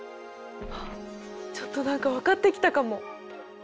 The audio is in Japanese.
あっちょっと何か分かってきたかも。